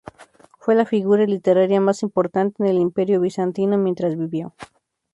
Fue la figura literaria más importante en el Imperio bizantino mientras vivió.